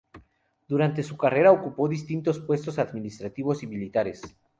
Durante su carrera ocupó distintos puestos administrativos y militares.